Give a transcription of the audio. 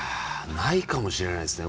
ないかもしれないですね